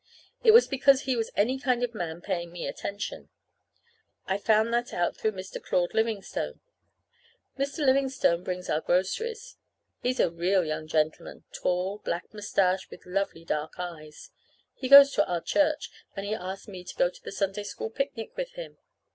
It was because he was any kind of a man paying me attention. I found that out through Mr. Claude Livingstone. Mr. Livingstone brings our groceries. He's a real young gentleman tall, black mustache, and lovely dark eyes. He goes to our church, and he asked me to go to the Sunday School picnic with him.